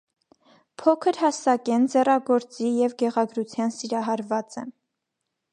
Փոքր հասակէն ձեռագործի եւ գեղագրութեան սիրահարուած է։